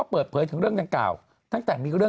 พี่บ๊วยบอสทั้งเก่าครั้งนี้